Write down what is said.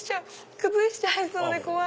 崩しちゃいそうで怖い。